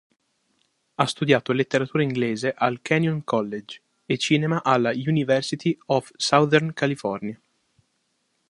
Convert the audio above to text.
Ha studiato letteratura inglese al Kenyon College, e cinema alla University of Southern California.